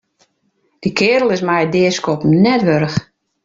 Dy keardel is my it deaskoppen net wurdich.